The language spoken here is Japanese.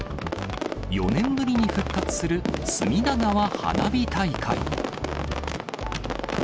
４年ぶりに復活する隅田川花火大会。